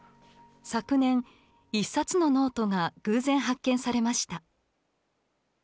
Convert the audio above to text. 昨年一冊のノートが偶然発見されました。